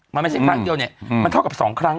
ไม่ใช่ครั้งเดียวมันเท่ากับ๒ครั้ง